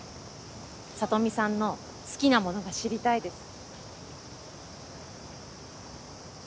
サトミさんの好きなものが知りたいです。